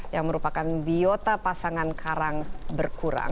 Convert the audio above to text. yang merupakan biota pasangan karang berkurang